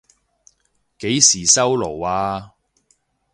幾時收爐啊？